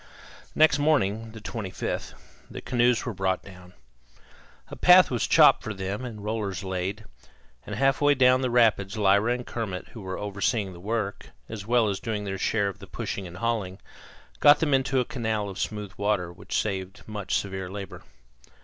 Next morning, the 25th, the canoes were brought down. A path was chopped for them and rollers laid; and half way down the rapids Lyra and Kermit, who were overseeing the work as well as doing their share of the pushing and hauling, got them into a canal of smooth water, which saved much severe labor.